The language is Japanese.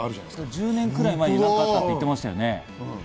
１０年ぐらい前にあったって言ってましたよね。